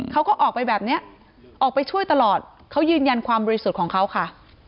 เขาก็ออกไปแบบนี้ออกไปช่วยตลอดเขายืนยันความบริสุทธิ์ของเขาค่ะ